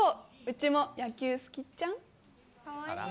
うちも野球好きっちゃ。